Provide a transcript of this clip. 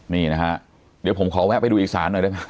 นี่นะครับเดี๋ยวผมขอแวะไปดูอีกศาลหน่อยได้ไหมครับ